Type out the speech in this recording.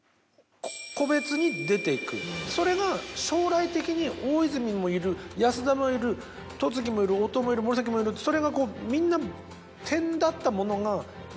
それが将来的に大泉もいる安田もいる戸次もいる音尾もいる森崎もいるそれがみんな点だったものが。